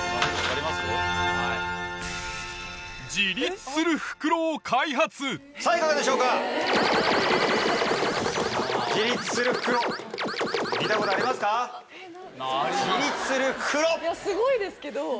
いやすごいですけど。